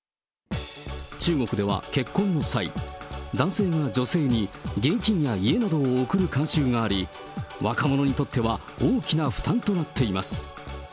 中国では結婚の際、男性が女性に現金や家などを贈る慣習があり、若者にとっては大きな負担となっています。